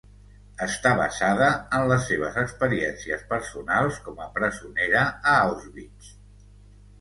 Està basada en les seves experiències personals com a presonera a Auschwitz.